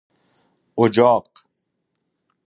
اجاق